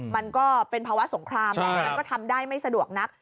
มันก็เป็นภาวะสงครามแหละมันก็ทำได้ไม่สะดวกนัก